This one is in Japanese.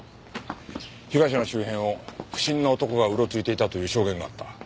被害者の周辺を不審な男がうろついていたという証言があった。